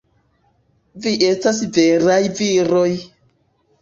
Vi estas veraj viroj!